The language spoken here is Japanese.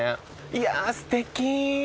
いやすてき。